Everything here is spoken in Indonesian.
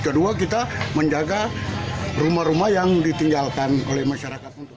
kedua kita menjaga rumah rumah yang ditinggalkan oleh masyarakat